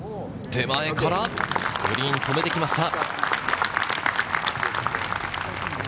手前からグリーンに止めてきました。